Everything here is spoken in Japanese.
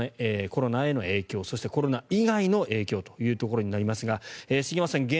コロナへの影響そして、コロナ以外の影響ということになりますが茂松さん